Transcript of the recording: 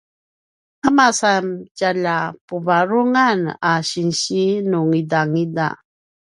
a masan tjalja puvarungan a sinsi nu ngidangida